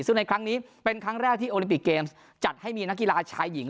ซึ่งในครั้งนี้เป็นครั้งแรกที่โอลิมปิกเกมส์จัดให้มีนักกีฬาชายหญิง